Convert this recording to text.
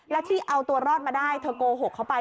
แล้วที่เอาตัวรอดมาได้เธอโกหกเข้าไป